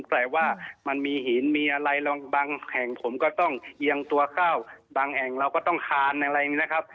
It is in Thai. แต่ว่ามันมีหินมีอะไรบางแห่งผมก็ต้องเอียงตัวเข้าบางแห่งเราก็ต้องคานอะไรอย่างนี้นะครับ